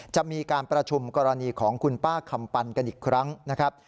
จะมีการประชุมกรณีของคุณป้าคำปันกันอีกครั้งนะครับ